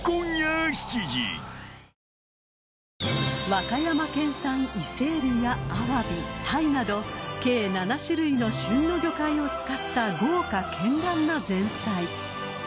［和歌山県産伊勢エビやアワビタイなど計７種類の旬の魚介を使った豪華絢爛な前菜］